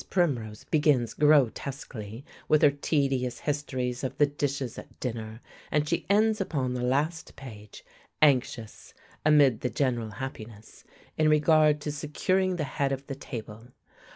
Primrose begins grotesquely, with her tedious histories of the dishes at dinner, and she ends upon the last page, anxious, amid the general happiness, in regard to securing the head of the table.